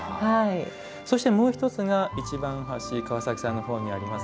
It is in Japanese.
そしてもう１つが川崎さんの方にあります